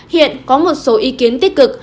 hiện có một số ý kiến tích cực